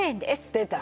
出た！